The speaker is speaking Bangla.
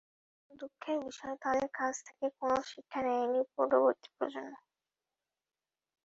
কিন্তু দুঃখের বিষয়, তাঁদের কাছ থেকে কোনো শিক্ষা নেয়নি পরবর্তী প্রজন্ম।